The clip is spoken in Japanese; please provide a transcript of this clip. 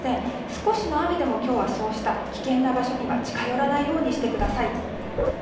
少しの雨でも今日はそうした危険な場所には近寄らないようにしてください。